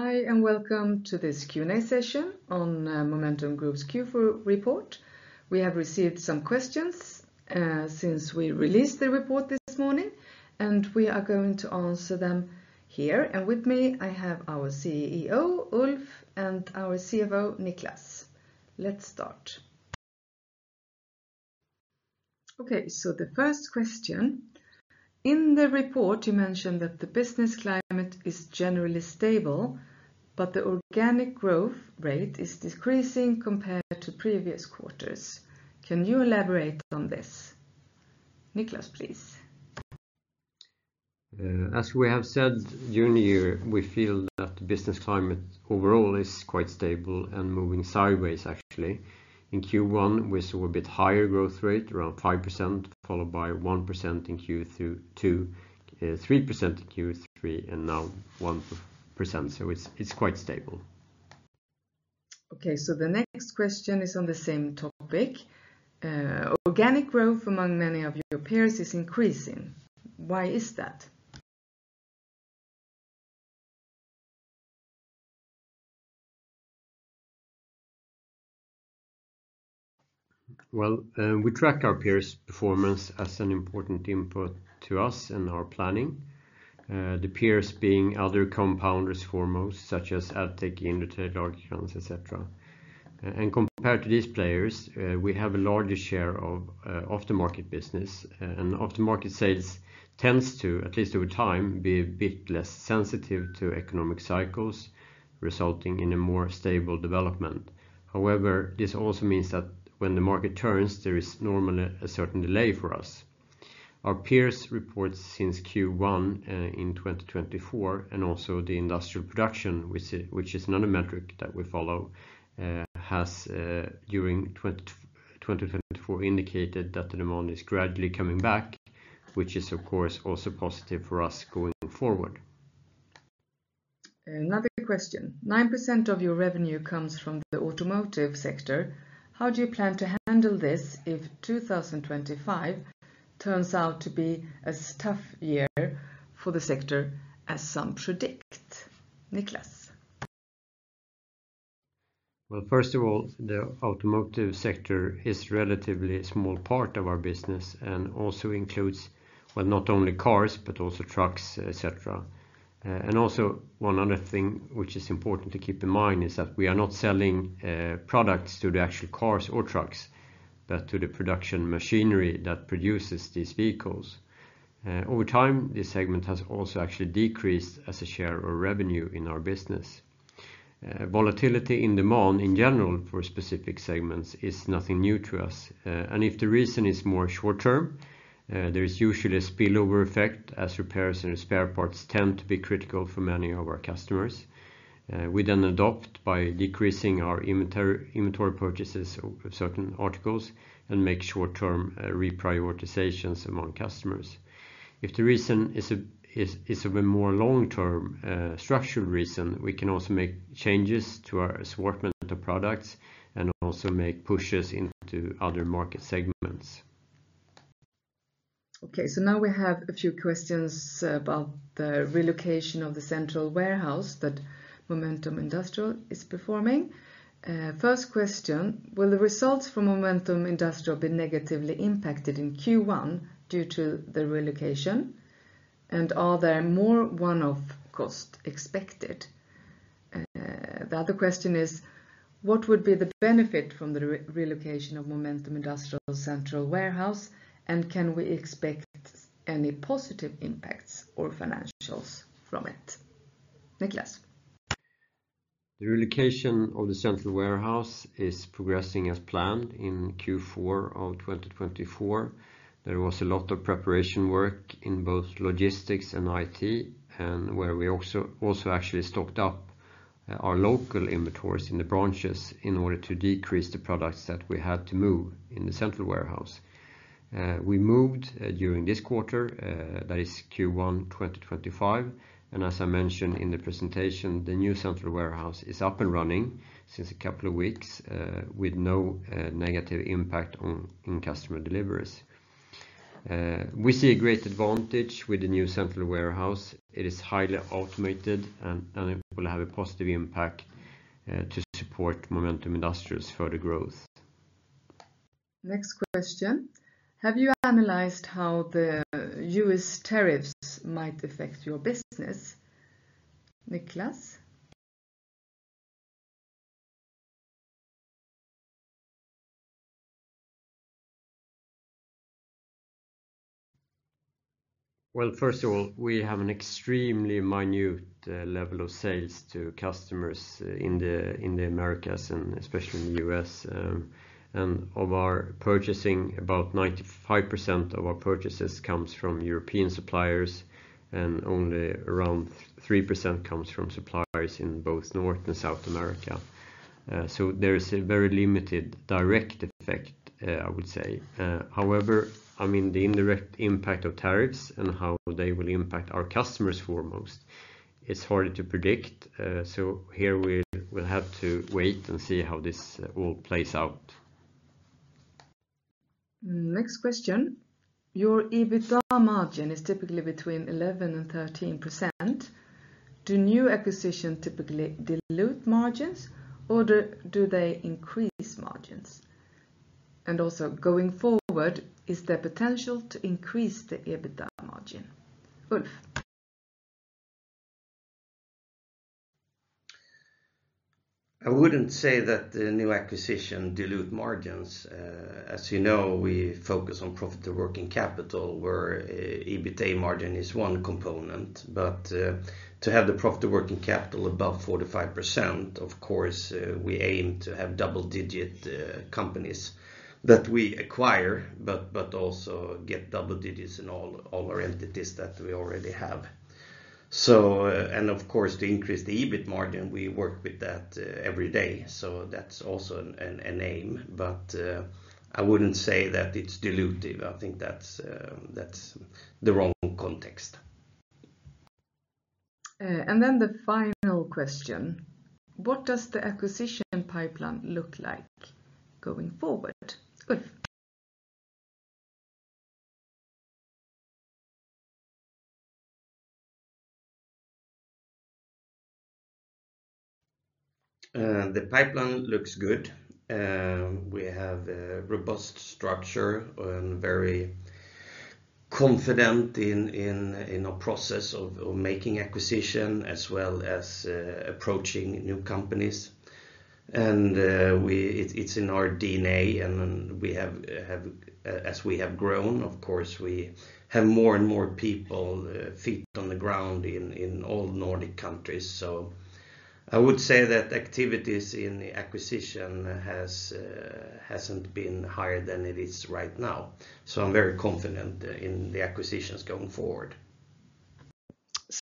Hi, and welcome to this Q&A session on Momentum Group's Q4 report. We have received some questions since we released the report this morning, we are going to answer them here. With me, I have our CEO, Ulf, and our CFO, Niklas. Let's start. The first question: In the report, you mentioned that the business climate is generally stable, but the organic growth rate is decreasing compared to previous quarters. Can you elaborate on this? Niklas, please. As we have said during the year, we feel that the business climate overall is quite stable and moving sideways, actually. In Q1, we saw a bit higher growth rate, around 5%, followed by 1% in Q2, 3% in Q3, and now 1%, so it's quite stable. The next question is on the same topic. Organic growth among many of your peers is increasing. Why is that? We track our peers' performance as an important input to us and our planning. The peers being other compounders foremost, such as Addtech, Indutrade, Lagercrantz, et cetera. Compared to these players, we have a larger share of aftermarket business, and aftermarket sales tends to, at least over time, be a bit less sensitive to economic cycles, resulting in a more stable development. However, this also means that when the market turns, there is normally a certain delay for us. Our peers reports since Q1 in 2024 and also the industrial production, which is another metric that we follow, has during 2024 indicated that the demand is gradually coming back, which is, of course, also positive for us going forward. Another question. 9% of your revenue comes from the automotive sector. How do you plan to handle this if 2025 turns out to be a tough year for the sector as some predict? Niklas. Well, first of all, the automotive sector is a relatively small part of our business and also includes, well, not only cars, but also trucks, et cetera. Also, one other thing which is important to keep in mind is that we are not selling products to the actual cars or trucks, but to the production machinery that produces these vehicles. Over time, this segment has also actually decreased as a share of revenue in our business. Volatility in demand in general for specific segments is nothing new to us. If the reason is more short-term, there is usually a spillover effect as repairs and spare parts tend to be critical for many of our customers. We then adapt by decreasing our inventory purchases of certain articles and make short-term reprioritizations among customers. If the reason is of a more long-term structural reason, we can also make changes to our assortment of products and also make pushes into other market segments. Okay, now we have a few questions about the relocation of the central warehouse that Momentum Industrial is performing. First question: Will the results from Momentum Industrial be negatively impacted in Q1 due to the relocation, and are there more one-off costs expected? The other question is: What would be the benefit from the relocation of Momentum Industrial central warehouse, and can we expect any positive impacts or financials from it? Niklas. The relocation of the central warehouse is progressing as planned in Q4 2024. There was a lot of preparation work in both logistics and IT, and where we also actually stocked up our local inventories in the branches in order to decrease the products that we had to move in the central warehouse. We moved during this quarter, that is Q1 2025, and as I mentioned in the presentation, the new central warehouse is up and running since a couple of weeks, with no negative impact on customer deliveries. We see a great advantage with the new central warehouse. It is highly automated and will have a positive impact to support Momentum Industrial's further growth. Next question. Have you analyzed how the U.S. tariffs might affect your business? Niklas? Well, first of all, we have an extremely minute level of sales to customers in the Americas and especially in the U.S. Of our purchasing, about 95% of our purchases comes from European suppliers, and only around 3% comes from suppliers in both North and South America. There is a very limited direct effect, I would say. However, the indirect impact of tariffs and how they will impact our customers foremost is harder to predict. Here we will have to wait and see how this all plays out. Next question. Your EBITA margin is typically between 11%-13%. Do new acquisitions typically dilute margins or do they increase margins? Also going forward, is there potential to increase the EBITA margin? Ulf? I wouldn't say that the new acquisition dilute margins. As you know, we focus on profit to working capital where EBITA margin is one component. To have the profit working capital above 45%, of course, we aim to have double-digit companies that we acquire, but also get double-digits in all our entities that we already have. Of course, to increase the EBIT margin, we work with that every day, that's also an aim. I wouldn't say that it's dilutive. I think that's the wrong context. The final question. What does the acquisition pipeline look like going forward? Ulf. The pipeline looks good. We have a robust structure and very confident in our process of making acquisition as well as approaching new companies. It's in our DNA, as we have grown, of course, we have more and more people feet on the ground in all Nordic countries. I would say that activities in the acquisition hasn't been higher than it is right now. I'm very confident in the acquisitions going forward.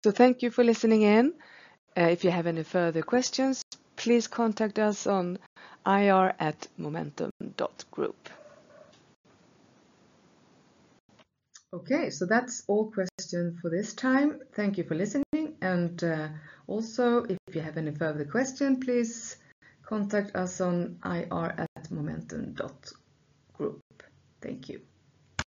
Thank you for listening in. If you have any further questions, please contact us on ir@momentum.group. Okay. That's all question for this time. Thank you for listening and also if you have any further question, please contact us on ir@momentum.group. Thank you.